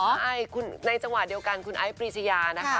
ใช่ในจังหวะเดียวกันคุณไอ้ปรีชยานะคะ